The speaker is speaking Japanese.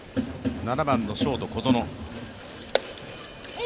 ７番のショート・小園。